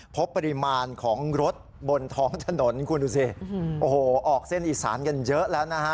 พบปริมาณของรถบนท้องถนนออกเส้นอีสานกันเยอะแล้ว